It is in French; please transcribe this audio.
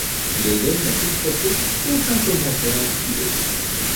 Layden n'a toutefois fait aucun commentaire à ce sujet.